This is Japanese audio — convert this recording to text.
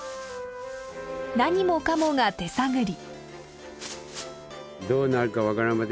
何もかもが手探り。